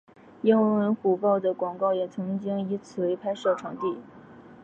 英文虎报的广告也曾经以此为拍摄场地。